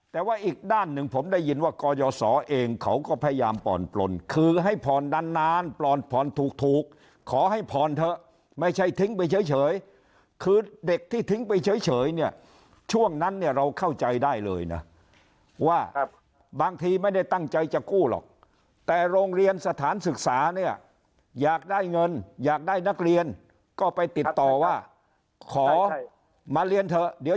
แต่ว่าอีกด้านหนึ่งผมได้ยินว่ากยศเองเขาก็พยายามผ่อนปลนคือให้ผ่อนนานนานผ่อนถูกขอให้ผ่อนเถอะไม่ใช่ทิ้งไปเฉยคือเด็กที่ทิ้งไปเฉยเนี่ยช่วงนั้นเนี่ยเราเข้าใจได้เลยนะว่าบางทีไม่ได้ตั้งใจจะกู้หรอกแต่โรงเรียนสถานศึกษาเนี่ยอยากได้เงินอยากได้นักเรียนก็ไปติดต่อว่าขอมาเรียนเถอะเดี๋ยว